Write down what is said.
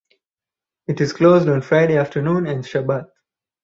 It is closed on Friday afternoon and Shabbat.